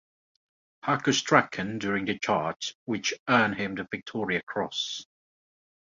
Harcus Strachan during the charge, which earned him the Victoria Cross.